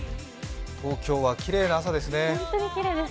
東京はきれいな朝ですね。